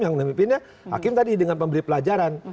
yang pimpinnya hakim tadi dengan memberi pelajaran